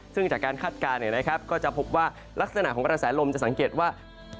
ซึ่งจากการคาดการณ์ก็จะพบว่าลักษณะของกระแสลมจะสังเกตว่า